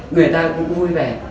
người ta cũng vui vẻ